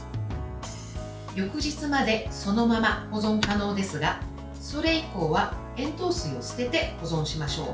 翌日までそのまま保存可能ですがそれ以降は塩糖水を捨てて保存しましょう。